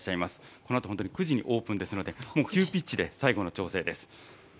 このあと本当に９時にオープンですので、もう急ピッチで最後の調整です。